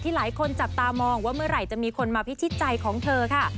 หลายคนจับตามองว่าเมื่อไหร่จะมีคนมาพิชิตใจของเธอค่ะ